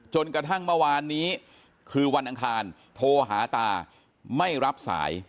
จนกระทั่งเมื่อวานนี้คือวันอังคารโทรหาตาไม่รับสาย